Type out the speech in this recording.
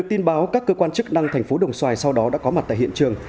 tin báo các cơ quan chức năng thành phố đồng xoài sau đó đã có mặt tại hiện trường